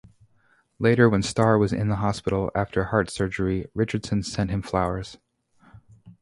Later when Starr was in the hospital after heart surgery, Richardson sent him flowers.